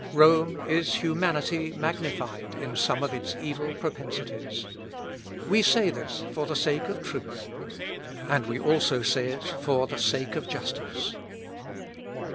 Rome is humanity magnified in some of its evil propensities. We say this for the sake of truth, and we also say it for the sake of justice.